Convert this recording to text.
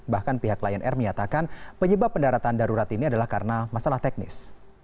bahkan pihak lion air menyatakan penyebab pendaratan darurat ini adalah karena masalah teknis